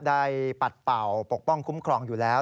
ร่างทรงได้ปัดเป่าปกป้องคุ้มครองอยู่แล้ว